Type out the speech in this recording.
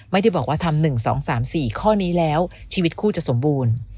ไม่ได้บอกว่าทำ๑๒๓๔ข้อนี้แล้วชีวิตคู่จะสมบูรณ์